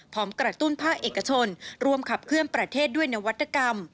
กระตุ้นภาคเอกชนรวมขับเคลื่อนประเทศด้วยนวัตกรรม